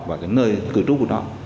và cái nơi cư trú của nó